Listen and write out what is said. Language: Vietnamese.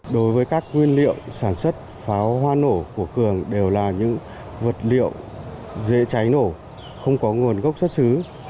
đối với các nguyên liệu sản xuất pháo hoa nổ của cường đều là những vật liệu dễ cháy nổ không có nguồn gốc xuất xứ